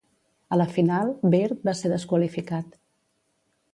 A la final, Beard va ser desqualificat.